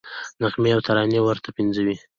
نغمې او ترانې ورته پنځوي.